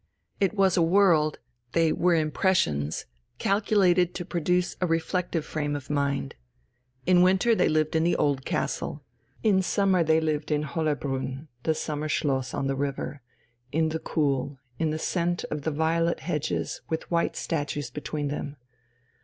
It was a world, they were impressions, calculated to produce a reflective frame of mind. In winter they lived in the old castle. In summer they lived in Hollerbrunn, the summer schloss, on the river, in the cool, in the scent of the violet hedges with white statues between them.